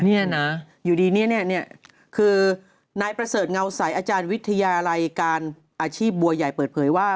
เนี่ยนะอยู่ดีเนี่ยคือนายประเสริฐเงาสายอาจารย์วิทยาลัยการอาชีพบัวใหญ่เปิดเผยว่า